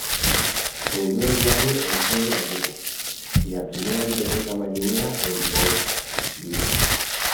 Fundó el diario "El Pueblo Gallego" y la primera biblioteca marinera en Bouzas, Vigo.